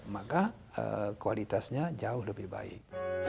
maka kualitasnya jauh lebih baik